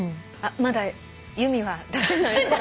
「まだ由美は出せない」？